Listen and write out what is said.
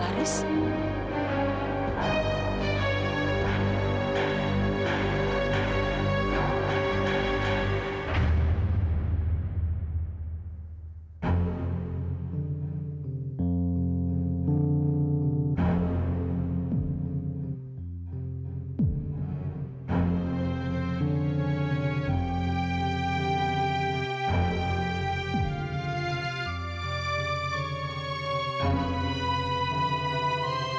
iya res ibu juga merasa gak enak